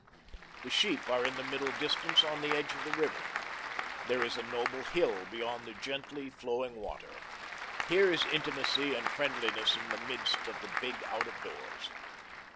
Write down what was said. The sheep are in the middle distance on the edge of the river. There is a noble hill beyond the gently flowing water. Here is intimacy and friendliness in the midst of the big out of doors.